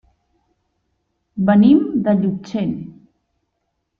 Venim de Llutxent.